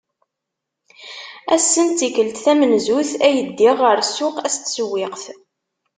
Ass-en d tikelt tamenzut ay ddiɣ ɣer ssuq ass n tsewwiqt.